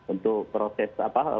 untuk proses apa